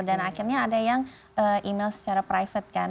dan akhirnya ada yang email secara private kan